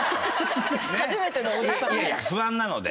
いやいや不安なので。